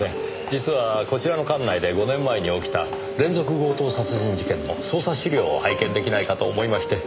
実はこちらの管内で５年前に起きた連続強盗殺人事件の捜査資料を拝見出来ないかと思いまして。